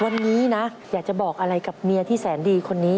วันนี้นะอยากจะบอกอะไรกับเมียที่แสนดีคนนี้